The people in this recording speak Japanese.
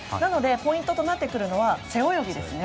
ポイントとなるのは背泳ぎですね。